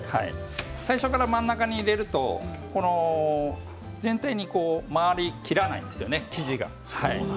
最初から真ん中に入れると全体に回り切らないんですよね生地が。